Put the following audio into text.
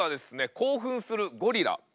興奮するゴリラ。